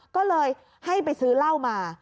ก็เลยให้ไปซื้อเหล้ามา